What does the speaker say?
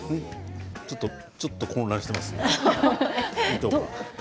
ちょっと混乱しています糸が。